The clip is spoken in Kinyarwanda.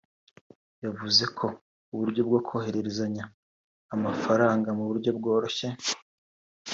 yavuze ko uburyo bwo kohererezanya amafaranga mu buryo bworoshye